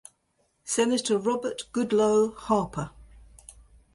Senator Robert Goodloe Harper.